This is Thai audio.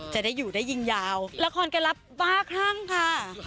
จะได้อยู่ได้ยิงยาวละครแกรับบ้าคลั่งค่ะ